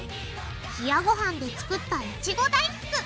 冷やごはんで作ったいちご大福。